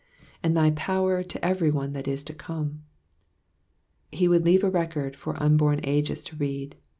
^^And thy power to every one that is to come,^'* He would leave a record for unborn ages to read.